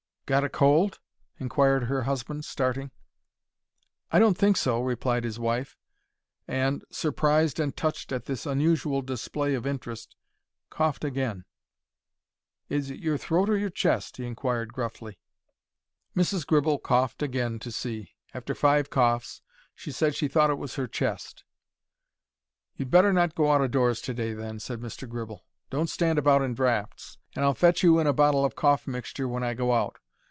"Got a cold?" inquired her husband, starting. "I don't think so," replied his wife, and, surprised and touched at this unusual display of interest, coughed again. "Is it your throat or your chest?" he inquired, gruffly. Mrs. Gribble coughed again to see. After five coughs she said she thought it was her chest. "You'd better not go out o' doors to day, then," said Mr. Gribble. "Don't stand about in draughts; and I'll fetch you in a bottle of cough mixture when I go out.